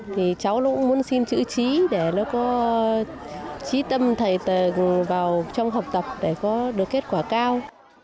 thì cháu nó cũng muốn xin chữ trí để nó có trí tâm thầy vào trong học tập để có được kết quả cao